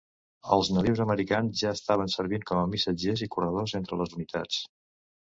Els nadius americans ja estaven servint com a missatgers i corredors entre les unitats.